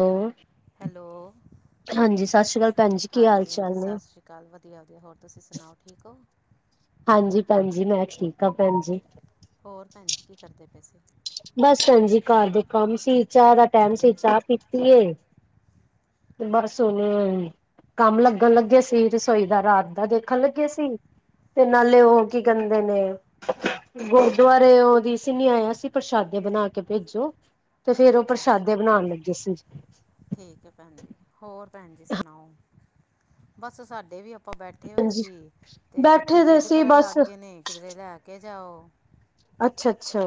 Hello hello. ਹਾਂਜੀ ਸਤਿ ਸ਼੍ਰੀ ਅਕਾਲ ਭੈਣ ਜੀ ਕੀ ਹਾਲ ਹਾਂਜੀ-ਹਾਂਜੀ, ਚਾਲ ਨੇ ਸਤਿ ਸ੍ਰੀ ਅਕਾਲ, ਵਧੀਆ-ਵਧੀਆ, ਹੋਰ ਤੁਸੀਂ ਸੁਨਾਓ, ਠੀਕ ਓ? ਹਾਂਜੀ ਭੈਣ ਜੀ, ਮੈਂ ਠੀਕ ਆਂ ਭੈਣ ਜੀ। ਹੋਰ ਭੈਣ ਜੀ, ਕੀ ਕਰਦੇ ਪੇ ਸੀ? ਬਸ ਭੈਣ ਜੀ ਘਰ ਦੇ ਕੰਮ ਸੀ, ਚਾਹ ਦਾ ਟੈਮ ਸੀ, ਚਾਹ ਪੀਤੀ ਏ। ਤੇ ਬਸ ਹੁਨ ਕੰਮ ਲੱਗਣ ਲੱਗੇ ਸੀ ਰਸੋਈ ਦਾ, ਰਾਤ ਦਾ ਦੇਖਨ ਲੱਗੇ ਸੀ। ਤੇ ਨਾਲੇ, ਓ ਕੀ ਕਹਿੰਦੇ ਨੇ ਗੁਰਦਵਾਰਿਯੋ ਦੀ ਸੀਨੇਆ ਆਇਆ ਸੀ ਪ੍ਰਸ਼ਾਦੇ ਬਨਾ ਕੇ ਭੇਜੋ। ਤੇ ਫੇਰ ਓ ਅੱਛਾ ਅੱਛਾ ਪ੍ਰਸ਼ਾਦੇ ਬਣਾਣ ਲੱਗੇ ਸੀ। ਠੀਕ ਐ ਭੈਣ ਜੀ, ਹੋਰ ਭੈਣ ਜੀ ਸੁਨਾਓ, ਬਸ ਸਾਡੇ ਵੀ ਆਪ ਆਪਾਂ ਬੈਠੇ ਹੋਏ ਹਾਂਜੀ ਸੀ ਤੇ ਬੱਚੇ ਬੈਠੇ ਦੇ ਜਿੱਦ ਸੀ ਕਰਨ ਬਸ ਲੱਗ ਗਏ ਨੇ ਕਿਧਰੇ ਲੈ ਕੇ ਜਾਓ। ਅੱਛਾ-ਅੱਛਾ।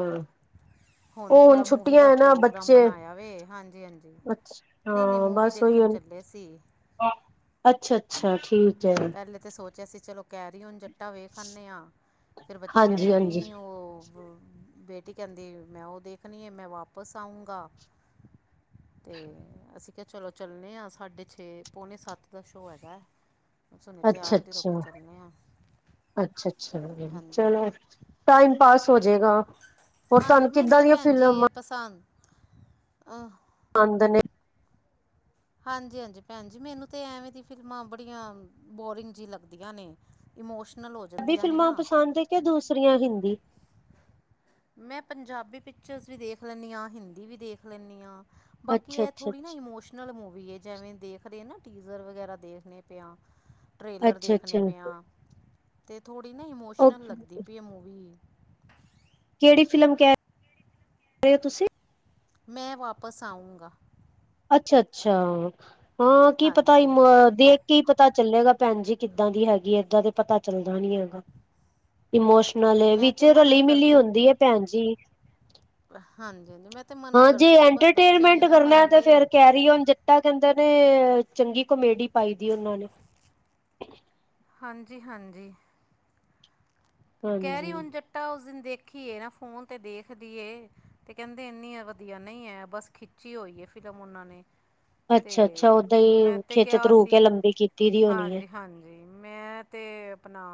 ਹੁਨ ਥੋੜਾ ਮੂਵੀ ਦਾ ਪ੍ਰੋਗਰਾਮ ਬੱਚੇ ਬਣਾਇਆ ਵੇ ਹਾਂਜੀ-ਹਾਂਜੀ ਅੱਛਾ ਨਈ-ਨਈ ਹਾਂ ਮੂਵੀ ਬਸ ਉਹੀ ਦੇਖਨ ਚੱਲ ਲੇ ਸੀ। ਅੱਛਾ-ਅੱਛਾ ਠੀਕ ਐ। ਪੈਲੇ ਤੇ ਸੋਚਿਆ ਸੀ, ਚਲੋ ਕੈਰੀ ਓਨ ਜੱਟਾ ਵੇਖ ਆਂਦੇ ਆਂ ਫਿਰ ਬੱਚੇ ਕੈਂਦੇ ਹਾਂਜੀ-ਹਾਂਜੀ ਨਈ ਓ ਵ ਬੇਟੀ ਕੈਂਦੀ ਮੈਂ ਓ ਦੇਖਨੀ ਏ ਮੈਂ ਵਾਪਸ ਆਊਂਗਾ। ਤੇ ਅਸੀਂ ਕਯਾ ਚਲੋ ਚਲਨੇ ਆਂ, ਸਾਢੇ ਛੇ, ਪੌਣੇ ਸੱਤ ਦਾ ਸ਼ੋ ਹੈਗਾ। ਬਸ ਹੁਨੇ ਤਿਆਰ ਤਿਉਰ ਹੋ ਅੱਛਾ-ਅੱਛਾ, ਕੇ ਚਲਨੇ ਆ। ਅੱਛਾ-ਅੱਛਾ, ਚਲੋ ਟਾਈਮ ਪਾਸ ਹੋ ਜੇਗਾ। ਹੋਰ ਹਾਂਜੀ ਤੁਹਾਨੂੰ ਮੈਨੂੰ ਕਿੱਦਾਂ ਤਾਂ ਦੀਆਂ ਭੈਣ ਜੀ ਫਿਲਮਾਂ ਇਹ ਪਸੰਦ ਅਹ ਅੰਦ ਨੇ। ਹਾਂਜੀ-ਹਾਂਜੀ ਭੈਣ ਜੀ ਮੈਨੂੰ ਤਾਂ ਐਵੇਂ ਦੀ ਫਿਲਮਾਂ ਬੜੀਆਂ ਬੋਰਿੰਗ ਜੀ ਲੱਗਦੀਆਂ ਨੇ। ਇਮੋਸ਼ਨਲ ਹੋ ਪੰਜਾਬੀ ਜਾਂਦੀਆਂ ਨੇ ਫਿਲਮਾਂ ਨਾ ਪਸੰਦ ਹੈ ਕਿ ਦੂਸਰੀਆਂ ਹਿੰਦੀ ਮੈਂ ਪੰਜਾਬੀ ਪਿਚਰਸ ਵੀ ਦੇਖ ਲੈਂਨੀ ਆਂ, ਹਿੰਦੀ ਵੀ ਦੇਖ ਲੈਂਨੀ ਆਂ। ਬਾਕੀ ਐ ਅੱਛਾ-ਅੱਛਾ, ਥੋੜੀ ਨਾ ਇਮੋਸ਼ਨ ਨਲ ਮੂਵੀ ਏ ਜੈਵੇਂ ਦੇਖਦੇ ਨਾ, ਟੀਜ਼ਰ ਵਗੈਰਾ ਦੇਖਨੇ ਪੇ ਆਂ। ਟ੍ਰੇਲਰ ਅੱਛਾ-ਅੱਛਾ ਦੇਖਨੇ ਪੇ ਆਂ ਤੇ ਧੋੜ੍ਹੀ ਨਾ ਉਹ ਇਮੋਸ਼ਨਲ ਲੱਗਦੀ ਪਈ ਏ ਮੂਵੀ। ਕੇੜੀ ਫਿਲਮ ਕੈ ਰੇ ਓ ਤੁਸੀਂ ਮੈਂ ਵਾਪਸ ਆਊਂਗਾ। ਅੱਛਾ-ਅੱਛਾ ਹਾਂ ਕੀ ਪਤਾ ਹਾਂਜੀ ਇਮ ਦੇਖ ਕੇ ਈ ਪਤਾ ਚੱਲੇਗਾ ਭੈਣ ਜੀ ਕਿੱਦਾਂ ਦੀ ਹੈਗੀ ਏਦਾ ਤੇ ਪਤਾ ਚੱਲਦਾ ਨੀ ਹੈਗਾ ਇਮੋਸ਼ਨਲ ਏ, ਮੈਂ ਵਿੱਚ ਰਲੀ-ਮਿਲੀ ਹੁੰਦੀ ਏ ਭੈਣ ਜੀ। ਹਾਂਜੀ-ਹਾਂਜੀ, ਮੈਂ ਤੇ ਮਨਾ ਹਾਂ ਜੇ ਕਰਦੀ ਪਈ ਬਸ ਬੱਚੇ ਨੀ ਨਾ ਮੰਨਦੇ। ਰੀ ਓਨ ਜੱਟਾ ਕੈਂਦੇ ਨੇ ਚੰਗੀ ਕਮੇਡੀ ਪਾਈ ਦੀ ਓਨਾਂ ਨੇ। ਹਾਂਜੀ-ਹਾਂਜੀ। ਹਾਂਜੀ ਕੈਰੀ ਓਨ ਜੱਟਾ ਉਸ ਦਿਨ ਦੇਖੀ ਏ ਨਾ ਫੋਨ ਤੇ ਦੇਖਦੀਏ। ਤੇ ਕੈਂਦੇ ਇੰਨੀ ਵਧੀਆ ਨਈ ਐ ਬਸ ਖਿੱਚੀ ਹੋਈ ਏ ਫਿਲਮ ਓਨਾਂ ਨੇ। ਤੇ ਅੱਛਾ ਅੱਛਾ ਓਦਾਂ ਮੈਂ ਹੀ ਤੇ ਖਿੱਚ ਕਿਹਾ ਧਰੂ ਕੇ ਸੀ, ਲੰਬੀ ਕੀਤੀ ਦੀ ਹੋਣੀ ਹੈ ਹਾਂਜੀ ਹਾਂਜੀ ਮੈਂ ਤੇ ਆਪਣਾ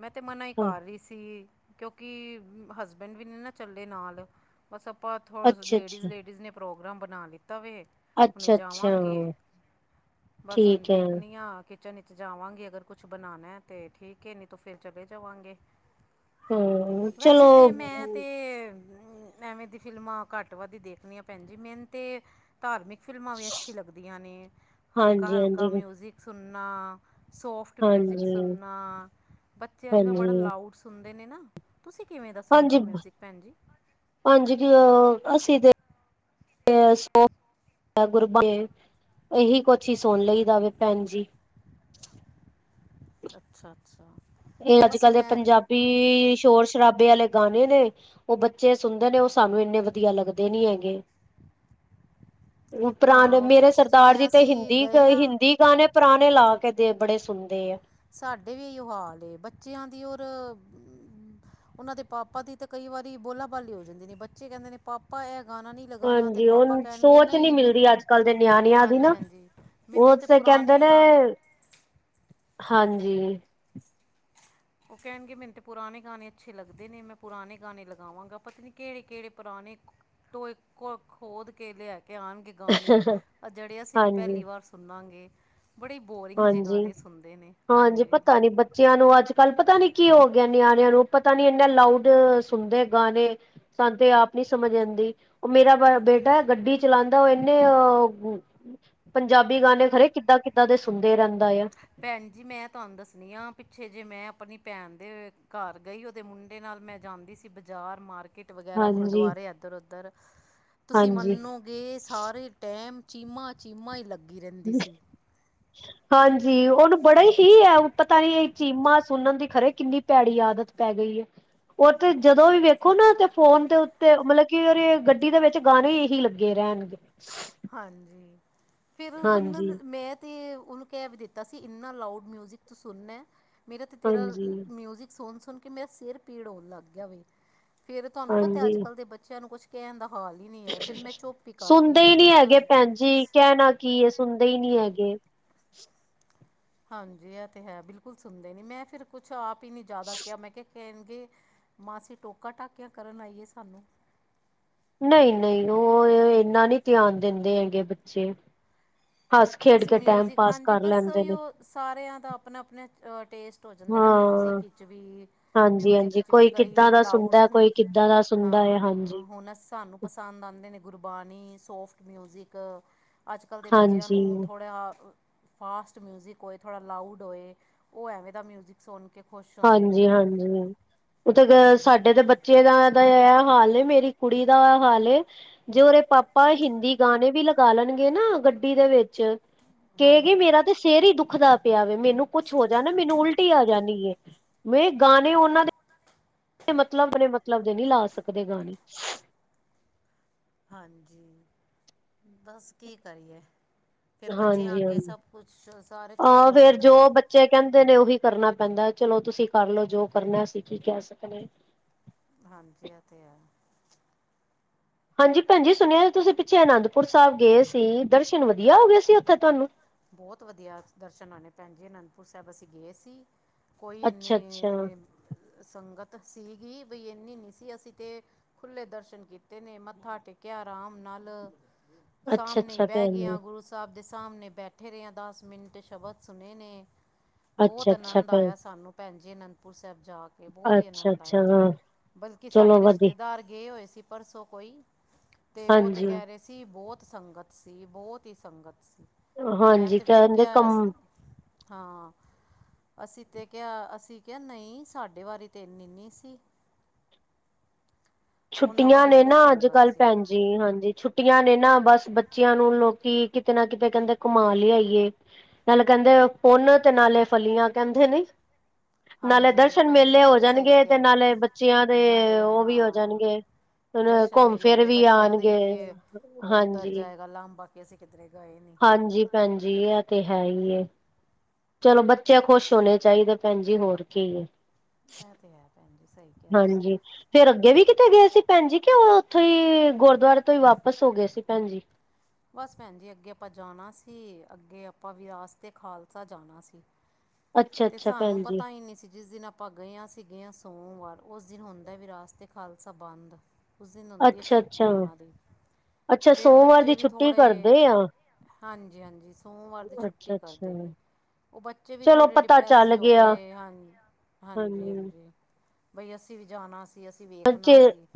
ਮੈਂ ਤੇ ਮਨਾ ਹੀ ਹਾਂ ਕਰ ਰਹੀ ਸੀ, ਕਿਉਂਕਿ ਹਸਬੈਂਡ ਵੀ ਨੇ ਨਾ ਚੱਲੇ ਨਾਲ ਬਸ ਆਪਾਂ ਉਥੋਂ ਅੱਛਾ ਲੇਡੀਜ਼ ਅੱਛਾ ਲੇਡੀਜ਼ ਨੇ ਪ੍ਰੋਗਰਾਮ ਬਣਾ ਲਿੱਤਾ ਵੇ ਹੁਣੇ ਅੱਛਾ ਅੱਛਾ ਜਾਵਾਂਗੇ, ਬਸ ਹੁਣ ਠੀਕ ਹੈ ਦੇਖਣੀ ਆ ਕਿਚਨ ਚ ਜਾਵਾਂਗੇ ਅਗਰ ਕੁਛ ਬਣਾਣਾ ਤੇ ਠੀਕ ਹੈ, ਨਹੀਂ ਤੋਂ ਫਿਰ ਚਲੇ ਜਾਵਾਂਗੇ ਹਾਂ ਵੈਸੇ ਚਲੋ ਤੇ ਮੈਂ ਤੇ ਐਵੇਂ ਦੀ ਫਿਲਮਾਂ ਘੱਟ ਵੱਧ ਈ ਦੇਖਣੀਆਂ ਭੈਂਜੀ ਮੈਨ ਤੇ ਧਾਰਮਿਕ ਫਿਲਮਾਂ ਵੀ ਅੱਛੀ ਲੱਗਦੀਆਂ ਨੇ, ਹਲਕਾ ਹਾਂਜੀ ਹਲਕਾ ਹਾਂਜੀ ਮਿਊਜ਼ਿਕ ਸੁਣਨਾ ਸੋਫਟ ਮਿਊਜ਼ਿਕ ਸੁਣ ਹਾਂਜੀ ਨਾ ਬੱਚੇ ਅੱਜ ਕੱਲ੍ਹ ਬੜਾ ਹਾਂਜੀ ਲਾਊਡ ਸੁਣਦੇ ਨੇ ਨਾ। ਤੁਸੀਂ ਕਿਵੇਂ ਦਾ ਸੁਨਦੇ ਹੋ ਮਿਊਜ਼ਿਕ ਭੈਣ ਜੀ। [unintelligible] ਅੱਸੀ ਤੇ [unintelligible] ਇਹੀ ਕੁਛ ਹੀ ਸੁਣ ਲਈ ਦਾ ਵੇ ਭੈਣ ਜੀ। ਅੱਛਾ ਅੱਛਾ ਇਹ ਅੱਜ ਬਸ ਕੱਲ ਦੇ ਮੈਂ ਪੰਜਾਬੀ ਸ਼ੋਰ-ਸ਼ਰਾਬੇ ਆਲੇ ਗਾਣੇ ਨੇ ਉਹ ਬੱਚੇ ਸੁਣਦੇ ਨੇ, ਉਹ ਸਾਨੂੰ ਇੰਨੇ ਵਧੀਆ ਲੱਗਦੇ ਨੀ ਹੈਗੇ। [inaudible] ਹਾਂ ਮੇਰੇ ਪਿੱਛੇ ਜੇ ਸਰਦਾਰ ਮੈਂ ਜੀ ਤੇ ਅਸੀਂ ਹਿੰਦੀ ਤ ਗਏ ਹਾਂ ਹਿੰਦੀ ਪੁਰਾਣੇ ਪੁਰਾਣੇ ਲਾ ਕੇ ਦੇ, ਬੜੇ ਸੁਣਦੇ ਆ ਸਾਡੇ ਵੀ ਇਹੀਓ ਹਾਲ ਏ, ਬੱਚਿਆਂ ਦੀ ਔਰ ਉਹਨਾਂ ਦੇ ਪਾਪਾ ਦੀ ਤੇ ਕਈ ਵਾਰੀ ਬੋਲਾ-ਬਾਲੀ ਹੋ ਜਾਂਦੀ ਨੇ, ਬੱਚੇ ਕਹਿੰਦੇ ਨੇ ਪਾਪਾ ਇਹ ਗਾਣਾ ਨੀ ਹਾਂਜੀ ਉਹ ਸੋਚ ਨੀ ਮਿਲਦੀ ਅੱਜ ਕੱਲ ਦੇ ਨਿਆਣਿਆਂ ਦੀ ਹਾਂਜੀ ਨਾ। ਹਾਂਜੀ ਮੈਨੂੰ ਉਹ ਤੇ ਸੇ ਕਹਿੰਦੇ ਪੁਰਾਣੇ ਨੇ, ਗਾਣੇ ਹਾਂਜੀ ਉਹ ਕੈਣਗੇ ਮੈਨੂੰ ਤੇ ਪੁਰਾਣੇ ਗਾਣੇ ਅੱਛੇ ਲੱਗਦੇ ਨੇ, ਮੈਂ ਪੁਰਾਣੇ ਗਾਣੇ ਲਗਾਵਾਂਗਾ, ਪਤਾ ਨਹੀਂ ਕਿਹੜੇ ਕਿਹੜੇ ਪੁਰਾਣੇ ਟੋਏ ਕੋ, ਖੋਦ ਕੇ ਲਿਆਂ ਕੇ ਆਣਗੇ ਗਾਣੇ, ਜਿਹੜੇ ਅਸੀਂ ਵੀ ਹਾਂਜੀ ਪੈਲੀ ਵਾਰ ਸੁਨਾਗੇ ਬੜੇ ਬੋਰਿੰਗ ਜੇ ਹਾਂਜੀ ਗਾਣੇ ਸੁਣਦੇ ਨੇ, ਹਾਂਜੀ ਪਤਾ ਨੀ ਬੱਚਿਆਂ ਨੂੰ ਅੱਜ ਕੱਲ ਪਤਾ ਨੀ ਕੀ ਹੋ ਗਿਆ, ਨਿਆਣਿਆਂ ਨੂੰ ਪਤਾ ਨੀ ਇੰਨਾ ਲਾਊਡ ਸੁਣਦੇ ਗਾਣੇ ਸਾਨ ਤੇ ਆਪ ਨੀ ਸਮਝ ਆਂਦੀ ਉਹ ਮੇਰਾ ਬ ਬੇਟਾ ਹੈ, ਗੱਡੀ ਚਲਾਂਦਾ ਉਹ ਇਨੇ ਅ ਪੰਜਾਬੀ ਗਾਣੇ ਖਰੇ ਕਿੱਦਾਂ ਕਿੱਦਾਂ ਦੇ ਸੁਣਦੇ ਰਹਿੰਦਾ ਯਾ ਭੈਣ ਜੀ, ਮੈਂ ਤੁਹਾਨੂੰ ਦੱਸਣੀ ਆ ਪਿੱਛੇ ਜੇ, ਮੈਂ ਆਪਣੀ ਭੈਣ ਦੇ ਘਰ ਗਈ, ਉਹਦੇ ਮੁੰਡੇ ਨਾਲ ਮੈਂ ਜਾਂਦੀ ਸੀ, ਬਾਜ਼ਾਰ ਮਾਰਕੀਟ ਕਿੱਟ ਵਗੈਰਾ ਹਾਂਜੀ ਗੁਰਦੁਆਰੇ ਇੱਧਰ-ਉੱਧਰ ਤੁਸੀਂ ਹਾਂਜੀ ਮੰਨੋਗੇ ਸਾਰੇ ਟੈਮ ਚੀਮਾ ਚੀਮਾ ਹੀ ਲੱਗੀ ਰਹਿੰਦੀ ਸੀ। ਹਾਂਜੀ ਉਹਨੂੰ ਬੜਾ ਹੀ ਹੈ, ਪਤਾ ਨੀ ਚੀਮਾ ਸੁਣਨ ਦੀ ਖਰੇ ਕਿੰਨੀ ਭੈੜੀ ਆਦਤ ਪੈ ਗਈ ਹੈ, ਉਹ ਤੇ ਜਦੋਂ ਵੀ ਵੇਖੋ ਨਾ ਤੇ ਫੋਨ ਤੇ ਤੇ ਮਤਲਬ ਕੀ ਅਰੇ, ਗੱਡੀ ਦੇ ਵਿੱਚ ਗਾਣੇ ਇਹੀ ਲੱਗੇ ਰੈਣਗੇ ਹਾਂਜੀ, ਫਿਰ ਓ ਹਾਂਜੀ ਬੰ ਮੈਂ ਤੇ ਉਹਨੂੰ ਕਹਿ ਵੀ ਦਿੱਤਾ ਸੀ, ਇੰਨਾ ਲਾਊਡ ਮਿਊਜਿਕ ਤੂੰ ਸੁਣਨਾ ਮੇਰਾ ਤੇ ਤੇਰਾ ਹਾਂਜੀ ਮਿਊਜਿਕ ਸੁਣ ਸੁਣ ਕੇ ਮੇਰਾ ਸਿਰ ਪੀੜ ਹੋਣ ਲੱਗ ਗੇਯਾ ਵੈ ਫੇਰ ਤੁਹਾਨੂੰ ਪਤਾ ਅੱਜ ਹਾਂਜੀ ਕੱਲ੍ਹ ਦੇ ਬੱਚਿਆਂ ਨੂੰ ਕੁਛ ਕਹਿਣ ਦਾ ਹਾਲ ਹੀ ਨਹੀ ਹੈ, ਫਿਰ ਮੈਂ ਚੁਪ ਈ ਕਰ ਗਈ ਮੈਂ ਨੀ ਕਿਹਾ ਹੈਗੇ ਚੱਲ ਭੈਣ ਜੀ। ਕਹਿਣਾ ਕੀ ਏ ਸੁਣਦੇ ਈ ਨੀ ਹੈਗੇ। ਹਾਂਜੀ ਏ ਤੇ ਹੈ ਬਿਲਕੁਲ ਸੁਣਦੇ ਨੀ। ਮੈਂ ਫੇਰ ਕੁਛ ਆਪ ਈ ਨੀ ਜਾਦਾ ਕਿਹਾ ਮੈਂ ਕਿਹਾ ਕਹਿਣਗੇ ਮਾਸੀ ਟੋਕਾ ਟਾਕੀਆਂ ਕਰਨ ਆਈਏ ਸਾਨੂੰ। ਨਹੀਂ ਨਹੀਂ ਓ ਏਨਾ ਨੀ ਧਿਆਨ ਦਿੰਦੇ ਹੈਗੇ ਬੱਚੇ। ਹੱਸ ਖੇਡ ਬਸ ਕੇ ਟੈਮ ਮਿਊਜ਼ਿਕ ਪਾਸ ਹਾਂਜੀ ਕਰ ਬਸ ਲੈਂਦੇ ਨੇ। ਉਹੀਓ ਸਾਰਿਆਂ ਦਾ ਆਪਣਾ ਆਪਣੇ ਟੇਸਟ ਹੋ ਜਾਂਦਾ ਨਾ ਮਿਊਜ਼ਿਕ ਹਾਂ ਵਿੱਚ ਵੀ। ਹਾਂਜੀ ਮਿਊਜਿਕ ਹਾਂਜੀ ਵਿੱਚ ਵੀ ਕੋਈ ਕਈ ਕਿੱਦਾਂ ਦਾ ਲਾਊਡ ਸੁਣਦਾ ਹੁਣ ਕੋਈ ਕਿੱਦਾਂ ਦਾ ਸੁਣਦਾ ਹੈ ਹਾਂ ਹਾਂਜੀ ਹੁਣ ਐ ਸਾਨੂੰ ਪਸੰਦ ਆਂਦੇ ਨੇ ਗੁਰਬਾਣੀ ਸੋਫਟ ਮਿਊਜ਼ਿਕ। ਅੱਜ ਕੱਲ ਦੇ ਬੱਚੇ ਹਾਂਜੀ ਥੋੜਾ ਫਾਸਟ ਮਿਊਜ਼ਿਕ ਹੋਏ ਥੋੜਾ ਲਾਊਡ ਹੋਏ। ਓ ਐਵੇਂ ਦਾ ਮਿਊਜ਼ਿਕ ਸੋਨ ਕੇ ਖੁਸ਼ ਹੁੰਦੇ ਹਾਂਜੀ ਨੇ ਹਾਂਜੀ ਹਾਂ। ਉਤੇ ਤਾਂ ਸਾਡੇ ਤੇ ਬੱਚੇ ਦਾ ਐ ਹਾਲ ਏ। ਮੇਰੀ ਕੁੜੀ ਦਾ ਐ ਹਾਲ ਏ। ਜੇ ਔਦੇ ਪਾਪਾ ਹਿੰਦੀ ਗਾਣੇ ਵੀ ਲਗਾ ਲੈਣਗੇ ਨਾ ਗੱਡੀ ਦੇ ਵਿੱਚ। ਕੇਗੀ ਹਾਂਜੀ ਮੇਰਾ ਤੇ ਸੇਰ ਈ ਦੁੱਖਦਾ ਪਿਆ ਵੇ ਮੈਨੂੰ ਕੁੱਛ ਹੋ ਜਾਣਾ। ਮੈਨੂੰ ਉਲਟੀ ਈ ਆ ਜਾਣੀ ਏ। ਮੈਂ ਗਾਣੇ ਓਨਾਂ ਦੇ ਮਤਲਬ ਮੇਰੇ ਮਤਲਬ ਦੇ ਨੀ ਲਾ ਸਕਦੇ ਗਾਣੇ। ਹਾਂਜੀ। ਬਸ ਕੀ ਕਰੀਏ? ਫਿਰ ਬੱਚਿਆਂ ਹਾਂਜੀ ਅੱਗੇ ਹਾਂਜੀ ਸਭ ਕੁਛ ਸਾਰੇ ਚੁੱਪ ਆਹ ਹੋ ਫੇਰ ਜਾਂਦੇ ਜੋ ਨੇ। ਬੱਚੇ ਕਹਿੰਦੇ ਨੇ ਔਹੀ ਕਰਨਾ ਪੈਂਦਾ ਚਲੋ ਤੁਸੀਂ ਕਰਲੋ ਜੋ ਕਰਨਾ ਐ। ਅਸੀਂ ਕੀ ਕਹਿ ਸਕਨੇ। ਹਾਂਜੀ ਐ ਤੇ ਹੈ। ਹਾਂਜੀ ਭੈਣ ਜੀ ਸੁਣਿਆ ਤੁਸੀਂ ਪਿੱਛੇ ਅਨੰਦਪੁਰ ਸਾਹਿਬ ਗਏ ਸੀ। ਦਰਸ਼ਨ ਵਧੀਆ ਹੋਗੇ ਸੀ ਓਥੇ ਤੁਹਾਨੂੰ। ਬੋਤ ਵਧੀਆ ਦਰਸ਼ਨ ਆਣੇ ਭੈਣ ਜੀ। ਅਨੰਦਪੁਰ ਸਾਹਿਬ ਅਸੀਂ ਗਏ ਸੀ। ਕੋਈ ਅੱਛਾ ਏਨੀ ਅੱਛਾ ਏਹ ਸੰਗਤ ਸੀਗੀ ਬੀ ਏਨੀ ਨੀ ਸੀ ਅਸੀਂ ਤੇ ਖੁੱਲੇ ਦਰਸ਼ਨ ਕੀਤੇ ਨੇ ਮੱਥਾ ਟੇਕਿਆ ਰਾਮ ਨਾਲ। ਅੱਛਾ ਸਾਮਣੇ ਈ ਅੱਛਾ ਬਹਿ ਭੈਣ ਜੀ ਗੇਆਂ ਗੁਰੂ ਸਾਬ ਦੇ ਸਾਮਣੇ ਬੈਠੇ ਰੇਆਂ ਦਸ ਮਿੰਟ ਸ਼ਬਦ ਸੁਣੇ ਨੇ। ਬੋਤ ਅੱਛਾ ਅੱਛਾ ਅਨੰਦ ਭੈਣ ਆਇਆ ਸਾਨੂੰ ਭੈਣ ਜੀ ਅਨੰਦਪੁਰ ਸਾਹਿਬ ਜਾ ਤੇ ਬੋਤ ਈ ਅੱਛਾ ਅਨੰਦ ਅੱਛਾ ਆਇਆ ਹਾਂ ਬਲਕਿ ਚਲੋ ਸਾਡੇ ਵਧੀ ਰਿਸ਼ਤੇਦਾਰ ਗਏ ਹੋਏ ਸੀ। ਪਰਸੋਂ ਕੋਈ ਤੇ ਓ ਤੇ ਹਾਂਜੀ ਕਹਿ ਰਹੇ ਸੀ। ਕਿ ਬੋਤ ਸੰਗਤ ਸੀ ਬੋਤ ਈ ਸੰਗਤ ਸੀ। ਮੈਂ ਹਾਂਜੀ ਤੇ ਫਿਰ ਕਹਿੰਦੇ ਕਿਹਾ ਸ ਕੰਮ ਹਾਂ। ਅਸੀਂ ਤੇ ਕਿਹਾ ਅਸੀਂ ਕਿਹਾ ਨਹੀਂ ਸਾਡੇ ਵਾਰੀ ਤੇ ਏਨੀ ਨੀ ਸੀ। [inaudible] ਛੁੱਟੀਆਂ ਵਾਰੀ ਨੇ ਨਾ ਬਹੁਤ ਅੱਜ ਸੰਗਤ ਕੱਲ ਸੀ ਭੈਣ ਜੀ ਹਾਂਜੀ। ਛੁੱਟੀਆਂ ਨੇ ਨਾ ਬਸ ਬੱਚੇਆਂ ਨੂੰ ਲੋਕੀ ਕਿਤੇ ਨਾ ਕਿਤੇ ਕਹਿੰਦੇ ਘੁਮਾ ਲਿਆਈਏ। [inaudible] ਨਾਲ ਕਹਿੰਦੇ ਪੁੰਨ ਤੇ ਨਾਲੇ ਫਲੀਆਂ ਕਹਿੰਦੇ ਨਹੀਂ। ਨਾਲੇ ਹਾਂਜੀ ਹਾਂਜੀ ਦਰਸ਼ਨ ਭੈਣ ਜੀ ਮੇਲੇ ਹੋ ਬਿਲਕੁਲ ਸਹੀ ਜਾਣਗੇ ਤੇ ਕਿਹਾ ਨਾਲੇ ਬੱਚੇਆਂ ਦੇ ਨਾਲੇ ਓ ਵੀ ਹੋ ਹੋ ਹਾਂ ਜਾਣਗੇ ਹੁਣ ਦਰਸ਼ਨ ਘੁੰਮ ਮੇਲੇ ਫਿਰ ਵੀ ਬੱਚਿਆਂ ਆਣਗੇ ਹਾਂਜੀ। ਗੱਲਾਂਬ [unintelligible] ਵੈਸੇ ਕਿਤਨੇ [unintelligible] ਹੈ ਨਹੀਂ। ਹਾਂਜੀ ਭੈਣ ਜੀ ਐ ਤੇ ਹੈ ਈ ਏ। ਚਲੋ ਬੱਚੇ ਖੁਸ਼ ਹੋਣੇ ਚਾਹੀਦੇ ਭੈਣ ਜੀ ਹੋਰ ਕੀ ਏ। ਐ ਤੇ ਹੈ ਭੈਣ ਜੀ ਸਹੀ ਕਿਹਾ ਤੁਸੀਂ। ਫਿਰ ਅੱਗੇ ਵੀ ਕਿਤੇ ਗਏ ਸੀ ਭੈਣ ਜੀ। ਕਿ ਓ ਓਥੋਂ ਈ ਗੁਰਦੁਆਰੇ ਤੋਂ ਈ ਵਾਪਸ ਹੋਗੇ ਸੀ ਭੈਣ ਜੀ? ਬਸ ਭੈਣ ਜੀ ਅੱਗੇ ਆਪਾਂ ਜਾਣਾ ਸੀ। ਅੱਗੇ ਆਪਾਂ ਵਿਰਾਸਤ ਏ ਖਾਲਸਾ ਜਾਣਾ ਸੀ। ਅੱਛਾ ਤੇ ਅੱਛਾ ਸਾਨੂੰ ਭੈਣ ਜੀ ਪਤਾ ਈ ਨੀ ਸੀ। ਜਿਸ ਦਿਨ ਅਪ ਆਪਾਂ ਗੇਆਂ ਅਸੀਂ ਗੇਆਂ ਸੋਮਵਾਰ ਓਸ ਦਿਨ ਹੁੰਦਾ ਵਿਰਾਸਤੇ ਖਾਲਸਾ ਬੰਦ। ਉਸ ਦਿਨ ਹੁੰਦੀ ਏ ਅੱਛਾ-ਅੱਛਾ, ਛੁੱਟੀ ਔਨਾਂ ਦੀ ਅੱਛਾ ਅੱਛਾ ਫੇਰ ਸੋਮਵਾਰ ਬੱਚੇ ਦੀ ਵੀ ਛੁੱਟੀ ਥੋੜ੍ਹੇ ਕਰਦੇ ਆ। ਹਾਂਜੀ -ਹਾਂਜੀ, ਸੋਮਵਾਰ ਦੀ ਛੁੱਟੀ ਅੱਛਾ-ਅੱਛਾ, ਕਰਦੇ ਨੇ, ਓ ਬੱਚੇ ਵੀ ਚਲੋ ਥੋੜੇ ਪਤਾ ਡਿਪ੍ਰੈ ਚੱਲ ਜੇ ਹੋ ਗਿਆ ਗਏ, ਹਾਂਜੀ- ਹਾਂਜੀ, ਬਈ ਅਸੀਂ ਵੀ ਜਾਣਾ। ਅਸੀਂ ਬੱਚੇ ਵੇਖਣਾ ਸੀ।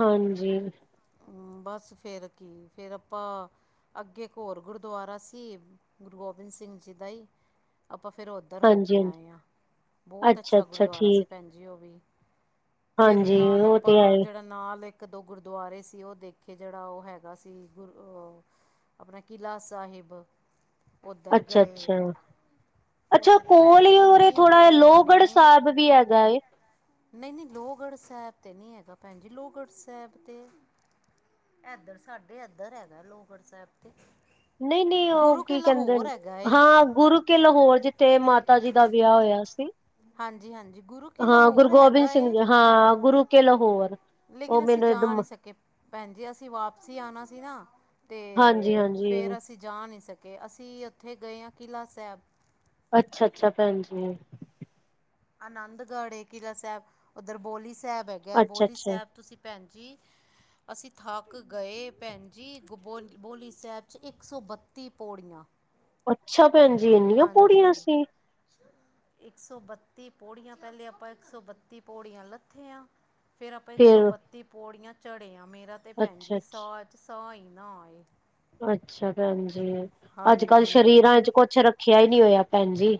ਹਾਂਜੀ, ਹਮ, ਬਸ ਫੇਰ ਕੀ ਫੇਰ ਆਪਾਂ ਅੱਗੇ ਇੱਕ ਹੋਰ ਗੁਰਦੁਆਰਾ ਸੀ, ਗੁਰੂ ਗੋਬਿੰਦ ਸਿੰਘ ਜੀ ਦਾ ਹੀ। ਆਪਾਂ ਫਿਰ ਉੱਧਰ ਹੋ ਕੇ ਹਾਂਜੀ-ਹਾਂਜੀ, ਆਏ ਹਾਂ, ਬਹੁਤ ਅੱਛਾ ਅੱਛਾ-ਅੱਛਾ ਗੁਰਦੁਆਰਾ ਸੀ ਠੀਕ ਭੈਣ ਜੀ ਉਹ ਵੀ। ਫਿਰ ਹਾਂਜੀ ਨਾਲ ਉਹ ਤੇ ਹੈ ਆਪਾਂ ਈ ਜਿਹੜਾ ਨਾਲ ਇੱਕ ਇੱਕ ਦੋ ਗੁਰਦੁਆਰੇ ਸੀ ਉਹ ਦੇਖੇ ਜਿਹੜਾ ਉਹ ਹੈਗਾ ਸੀ ਗੁਰ ਅਹ ਆਪਣਾ, ਕਿਲਾ ਸਾਹਿਬ ਉੱਧਰ ਗਏ। ਅੱਛਾ-ਅੱਛਾ, ਅੱਛਾ ਅੱਛਾ ਉੱਥੇ ਤੇ ਭੈਣ ਕੋਲ ਹੀ ਜੀ ਓਹਰੇ ਇੰਨੀ ਥੋੜਾ ਪੌੜੀਆਂ ਲੋਹਗੜ੍ਹ ਨੇ ਸਾਹਿਬ ਵੀ ਹੈਗਾ। ਨਹੀਂ ਨਹੀਂ ਲੋਹਗੜ੍ਹ ਸਾਹਿਬ 'ਤੇ ਨਹੀਂ ਹੈਗਾ ਭੈਣ ਜੀ, ਲੋਹਗੜ੍ਹ ਸਾਹਿਬ 'ਤੇ ਇਧਰ ਸਾਡੇ ਇਧਰ ਹੈਗਾ ਲੋਗੜ੍ਹ ਸਾਹਿਬ ਤੇ। ਨਹੀਂ ਨਹੀਂ ਉਹ ਗੁਰੂ ਕੀ ਕਹਿੰਦੇ ਲਾਹੌਰ ਨੇ, ਹੈਗਾ ਏ ਹਾਂ ਗੁਰੂ ਕਿ ਲਾਹੌਰ ਜਿੱਥੇ ਮਾਤਾ ਜੀ ਦਾ ਵਿਆਹ ਹੋਇਆ ਸੀ। ਹਾਂਜੀ -ਹਾਂਜੀ ਗੁਰੂ ਕਿਲ੍ਹ ਹਾਂ ਗੁਰੂ ਹੋਰ ਗੋਬਿੰਦ ਹੈਗਾ ਏ। ਸਿੰਘ ਜੀ ਹਾਂ, ਗੁਰੂ ਕੇਲਹੋਰ। ਲੇਕਿਨ ਅਸੀਂ ਜਾ ਨਹੀਂ ਸਕੇ ਭੈਣ ਜੀ, ਅਸੀਂ ਵਾਪਸੀ ਆਉਣਾ ਸੀ ਨਾ। ਅਤੇ ਹਾਂਜੀ-ਹਾਂਜੀ, ਫਿਰ ਅਸੀਂ ਜਾ ਨਹੀਂ ਸਕੇ ਅਸੀਂ ਉੱਥੇ ਗਏ ਹਾਂ ਕਿਲ੍ਹਾ ਸਾਹਿਬ। ਅੱਛਾ -ਅੱਛਾ ਭੈਣ ਜੀ। ਆਨੰਦਗੜ੍ਹ ਹੈ ਕਿਲ੍ਹਾ ਸਾਹਿਬ ਉੱਧਰ, ਬੋਲੀ ਸਾਹਿਬ ਹੈਗਾ ਬੋਲੀ ਅੱਛਾ-ਅੱਛਾ, ਸਾਹਿਬ ਤੁਸੀਂ। ਭੈਣਜੀ। ਅਸੀਂ ਥੱਕ ਗਏ ਭੈਣ ਜੀ ਗ ਬੋ ਬੋਲੀ ਸਾਹਿਬ 'ਚ ਇੱਕ ਸੌ ਬੱਤੀ ਪੌੜੀਆਂ। ਅੱਛਾ ਭੈਣ ਜੀ ਇੰਨੀਆਂ ਪੌੜੀਆਂ ਹਾਂਜੀ ਸੀ। ਇੱਕ ਸੌ ਬੱਤੀ ਪੌੜੀਆਂ ਪਹਿਲੇ ਆਪਾਂ ਇੱਕ ਸੌ ਬੱਤੀ ਪੌੜੀਆਂ ਲੱਥੇ ਹਾਂ। ਫਿਰ ਆਪਾਂ ਇੱਕ ਸੌ ਫੇਰ ਬੱਤੀ ਪੌੜੀਆਂ ਚੜ੍ਹੇ ਆਂ ਮੇਰਾ ਤਾਂ ਭੈਣ ਅੱਛਾ-ਅੱਛਾ, ਜੀ ਅੱਛਾ ਸਾਹ 'ਚ ਸਾਹ ਹੀ ਨਾ ਆਏ। ਅੱਛਾ ਭੈਣ ਜੀ, ਅੱਜ ਕੱਲ ਹਾਂਜੀ ਸਰੀਰਾਂ ਚ ਕੁਛ ਰੱਖਿਆ ਹੀ ਨਹੀ ਹੋਇਆ ਭੈਣ ਜੀ।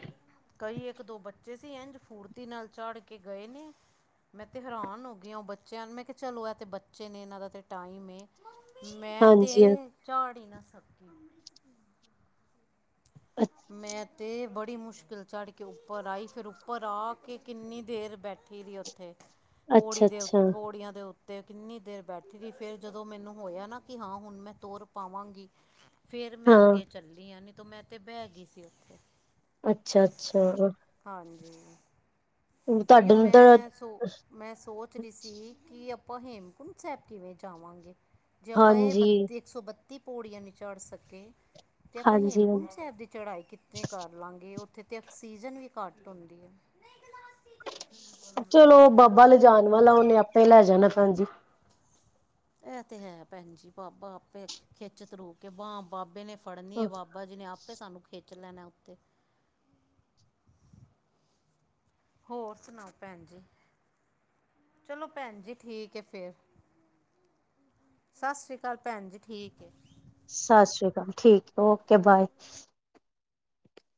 ਕਈ ਇੱਕ ਦੋ ਬੱਚੇ ਸੀ ਇੰਝ ਫੂਰਤੀ ਨਾਲ ਚੜ੍ਹ ਕੇ ਗਏ ਨੇ। ਮੈਂ ਤੇ ਹੈਰਾਨ ਹੋ ਗਈ ਉਹ ਬੱਚਿਆਂ ਨੂੰ ਮੈਂ ਕਿਹਾ ਚਲੋ ਇਹ ਤੇ ਬੱਚੇ ਨੇ ਇਹਨਾਂ ਦਾ ਤੇ ਟਾਈਮ ਏ। ਮੈਂ ਹਾਂਜੀ। ਤਾਂ ਚੜ ਹੀ ਨਾ ਸਕੀ। ਅੱਛਾ। ਮੈਂ ਤੇ ਬੜੀ ਮੁਸ਼ਕਿਲ ਚੜ੍ਹ ਕੇ ਉੱਪਰ ਆਈ ਫਿਰ ਉੱਪਰ ਆ ਕੇ ਕਿੰਨੀ ਦੇਰ ਬੈਠੀ ਰਹੀ ਉੱਥੇ। ਉੱਥੇ ਪੌੜੀ ਦੇ ਅੱਛਾ-ਅੱਛਾ, ਪੌੜੀਆਂ ਦੇ ਉੱ ਤੇ ਕਿੰਨੀ ਦੇਰ ਬੈਠੀ ਰਹੀ ਫਿਰ ਜਦੋਂ ਮੈਨੂੰ ਹੋਇਆ ਨਾ ਕਿ ਹਾਂ ਹੁਣ ਮੈਂ ਤੁਰ ਪਾਵਾਂਗੀ। ਫਿਰ ਮੈਂ ਹਾਂ ਅੱਗੇ ਚੱਲੀ ਆਂ ਨਹੀਂ ਤਾਂ ਮੈਂ ਤਾਂ ਬਹਿ ਗਈ ਸੀ ਉੱਥੇ। ਅੱਛਾ- ਅੱਛਾ। ਹਾਂ। ਤੁਹਾਡੇ ਉਹੀਓ, ਨੂੰ ਤਾਂ ਮੈਂ ਸੋ ਮੈਂ ਸੋਚ ਰਹੀ ਸੀ ਕਿ। ਆਪਾਂ ਹੇਮਕੁੰਟ ਸਾਹਿਬ ਕਿਵੇਂ ਜਾਵਾਂਗੇ ਜੇ ਆਪਾਂ ਇਹ ਹਾਂਜੀ, ਬਤੀ ਇੱਕ ਸੌ ਬੱਤੀ। ਪੌੜੀਆਂ ਨੀ ਚੜ੍ਹ ਸਕੇ ਤੇ ਆਪਾਂ ਹਾਂਜੀ ਹੇਮਕੁੰਟ ਸਾਹਿਬ ਦੀ ਚੜਾਈ ਕਿਤੇ ਕਾਰਨ। ਕਰ ਲਾਂਗੇ ਉੱਥੇ ਤਾਂ ਆਕਸੀਜਨ ਵੀ ਘੱਟ ਹੁੰਦੀ ਹੈ। ਚਲੋ ਬਾਬਾ ਲਿਜਾਣ ਵਾਲਾ ਉਹਨੇ ਆਪੇ ਲੈ ਜਾਣਾ ਭੈਣ ਜੀ। ਇਹ ਤੇ ਹੈ ਭੈਣ ਜੀ ਬਾਬਾ ਆਪੇ ਖਿੱਚ ਤਰੂ ਕੇ ਬਾਂਹ ਬਾਬੇ ਨੇ ਫੜਨੀ ਹੈ ਬਾਬਾ। ਬਾਬਾ ਜੀ ਨੇ ਆਪੇ ਸਾਨੂੰ ਖਿੱਚ ਲੈਣਾ ਉੱਥੇ। ਹੋਰ ਸੁਣਾਓ ਭੈਣ ਜੀ। ਚਲੋ, ਭੈੰਜੀ ਠੀਕ ਐ ਫੇਰ। ਸਸ ਸ੍ਰੀ ਕਾਲ ਭੈਣ ਜੀ, ਠੀਕ ਏ। ਸਸ ਸ੍ਰੀ ਕਾਲ, ਠੀਕ, ਓਕੇ ਬਾਏ।